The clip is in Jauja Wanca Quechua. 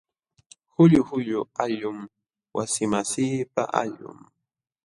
Huyu huyu allqum wasimasiipa allqun.